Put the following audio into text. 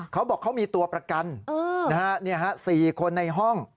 เขาบอกเขามีตัวประกัน๔คนในห้อง